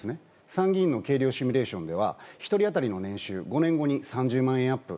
参議院の給料シミュレーションでは１人当たりの年収５年後に３０万円アップ